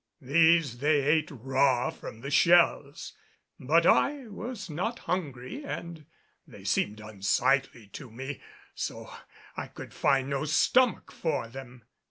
These they ate raw from the shells; but I was not hungry and they seemed unsightly to me, so I could find no stomach for them.